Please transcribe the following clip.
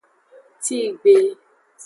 Tigbe.